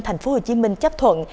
thành phố hồ chí minh chấp thuận